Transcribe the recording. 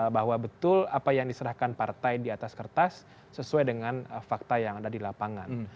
bahwa betul apa yang diserahkan partai di atas kertas sesuai dengan fakta yang ada di lapangan